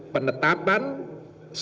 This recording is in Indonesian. yang menyatakan bahwa